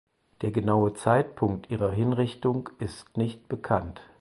Der genaue Zeitpunkt ihrer Hinrichtung ist nicht bekannt.